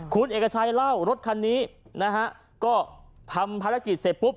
คุณเอกชัยเล่ารถคันนี้นะฮะก็ทำภารกิจเสร็จปุ๊บ